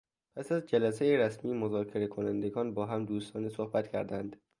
پس از جلسهی رسمی مذاکره کنندگان باهم دوستانه صحبت کردند.